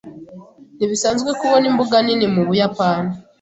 Ntibisanzwe kubona imbuga nini mu Buyapani.